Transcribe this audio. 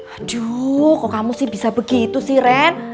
aduh kok kamu sih bisa begitu sih ren